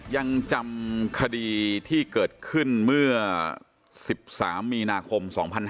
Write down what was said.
ยังจำคดีที่เกิดขึ้นเมื่อ๑๓มีนาคม๒๕๕๙